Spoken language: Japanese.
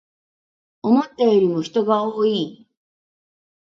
思ったよりも人が多い